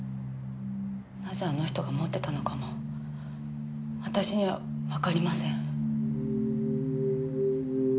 なぜあの人が持ってたのかも私にはわかりません。